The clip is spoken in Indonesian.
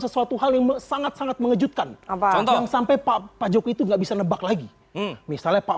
sesuatu hal yang sangat sangat mengejutkan apa yang sampai pak jokowi itu nggak bisa nebak lagi misalnya pak